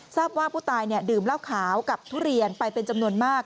ทราบว่าผู้ตายดื่มเหล้าขาวกับทุเรียนไปเป็นจำนวนมาก